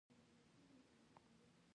هغه پر ضد مرسته ورسره وکړي.